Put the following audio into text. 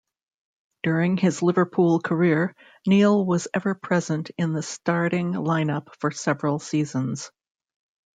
During his Liverpool career, Neal was ever-present in the starting lineup for several seasons.